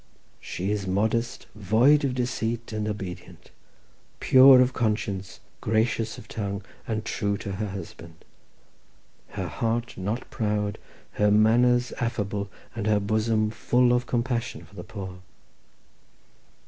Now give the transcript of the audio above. "She is modest, void of deceit, and obedient. "Pure of conscience, gracious of tongue, and true to her husband. "Her heart not proud, her manners affable, and her bosom full of compassion for the poor.